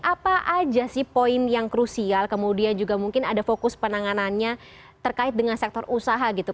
apa aja sih poin yang krusial kemudian juga mungkin ada fokus penanganannya terkait dengan sektor usaha gitu